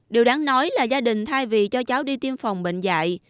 điều đáng nói là gia đình thay vì cho cháu đi tiêm phòng bệnh dạy